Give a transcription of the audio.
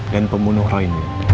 dan pembunuh rai